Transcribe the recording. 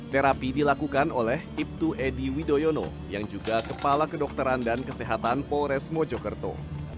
terapi ini dilakukan oleh ibtu edy widoyono yang juga kepala kedokteran dan kesehatan polres mojokerto